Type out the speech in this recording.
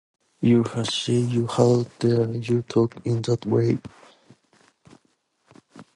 You hussy, how dare you talk in that way?